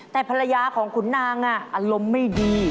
แต่ภรรยาของขุนนางอารมณ์ไม่ดี